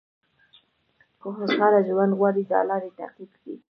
که خوشاله ژوند غواړئ دا لارې تعقیب کړئ.